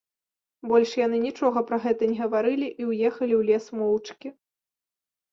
Больш яны нічога пра гэта не гаварылі і ўехалі ў лес моўчкі.